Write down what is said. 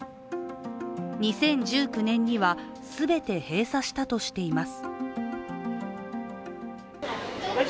２０１９年には全て閉鎖したとしています。